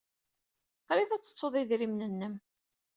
Qrib ay tettuḍ idrimen-nnem.